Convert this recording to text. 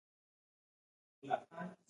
د تواب غوږ وتخڼېد.